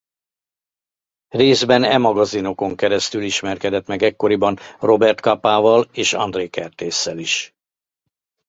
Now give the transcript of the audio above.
Részben e magazinokon keresztül ismerkedett meg ekkoriban Robert Capával és André Kertésszel is.